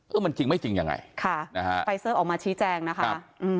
มันจริงไม่จริงยังไงค่ะนะฮะไฟเซอร์ออกมาชี้แจงนะคะอืม